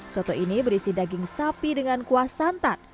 soto ini berisi daging sapi dengan kuah santan